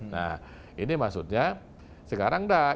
nah ini maksudnya sekarang dah